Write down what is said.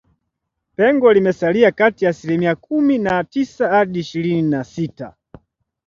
Pengo limesalia kati ya asilimia kumi na tisa hadi ishirini na sita